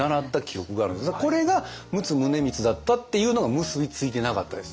これが陸奥宗光だったっていうのが結び付いてなかったです。